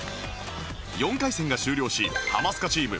４回戦が終了しハマスカチーム